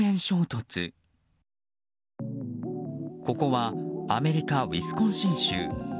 ここはアメリカ・ウィスコンシン州。